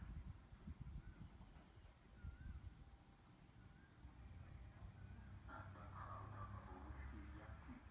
ตรงนี้ยังถึงธุรกิจ